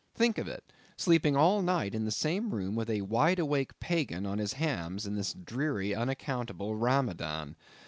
Think of it; sleeping all night in the same room with a wide awake pagan on his hams in this dreary, unaccountable Ramadan!